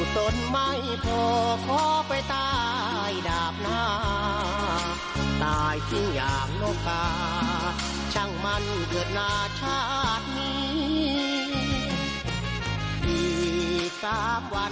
ที่อยากฆาตชั้งมันเผือดหน้าชาตินี้อีกสักวัน